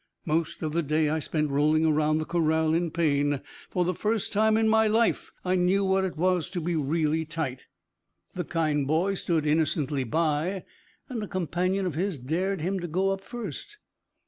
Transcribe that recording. Most of the day, I spent rolling round the corral in pain. For the first time in my life I knew what it was to be really tight. The kind boy stood innocently by, and a companion of his dared him to go up first.